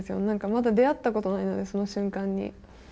何かまだ出会ったことないのでその瞬間に。